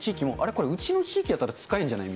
これ、うちの地域だったら、使えんじゃないの？